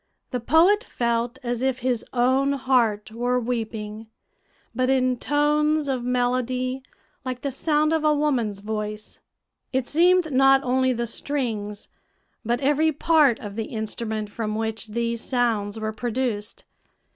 The poet felt as if his own heart were weeping, but in tones of melody like the sound of a woman's voice. It seemed not only the strings, but every part of the instrument from which these sounds were produced.